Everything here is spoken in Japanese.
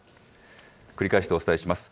繰り返してお伝えします。